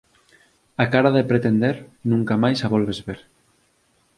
A cara de pretender nunca máis a volves ver